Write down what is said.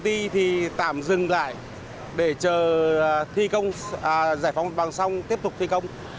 thi công giải phóng bằng sông tiếp tục thi công